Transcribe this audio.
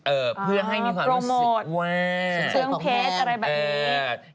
เออเพื่อให้มีความรู้สึกว่าใช้เครื่องเพชรอะไรแบบนี้